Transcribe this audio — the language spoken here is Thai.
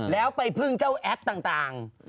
แล้วไปพึ่งเจ้าแอปต่าง